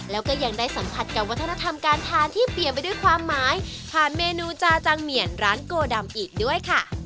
แล้วก็ยังได้สัมผัสกับวัฒนธรรมการทานที่เปลี่ยนไปด้วยความหมายผ่านเมนูจาจังเหมียนร้านโกดำอีกด้วยค่ะ